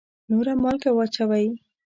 نوره مالګه واچوئ